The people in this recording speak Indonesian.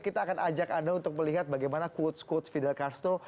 kita akan ajak anda untuk melihat bagaimana quotes quotes fidel castro